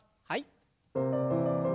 はい。